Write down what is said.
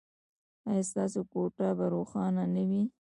ایا ستاسو کوټه به روښانه نه وي؟